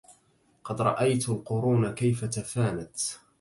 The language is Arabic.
قد رأيت القرون كيف تفانت